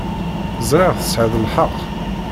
Ẓriɣ tesɛiḍ lḥeqq.